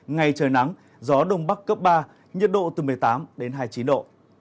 ngay trời nắng gió đông bắc cấp ba nhiệt độ từ một mươi tám hai mươi chín độ